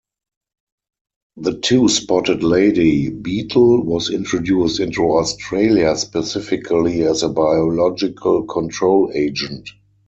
The Two-spotted lady beetle was introduced into Australia specifically as a biological control agent.